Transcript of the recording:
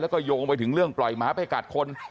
แล้วก็โยงไปถึงเรื่องปล่อยหมาไปกัดคน